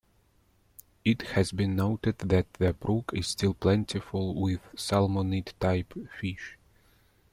It has been noted that the brook is still plentiful with salmonid type fish.